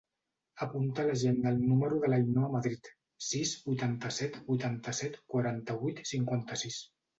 Apunta a l'agenda el número de l'Ainhoa Madrid: sis, vuitanta-set, vuitanta-set, quaranta-vuit, cinquanta-sis.